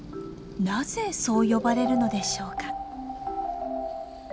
なぜそう呼ばれるのでしょうか。